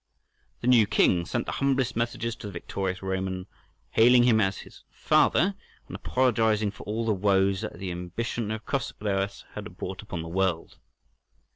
The new king sent the humblest messages to the victorious Roman, hailing him as his "father," and apologizing for all the woes that the ambition of Chosroës had brought upon the world.